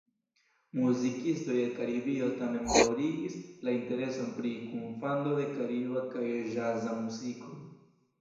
Muzikistoj el Karibio tamen daŭrigis la intereson pri kunfando de kariba kaj ĵaza muzikoj.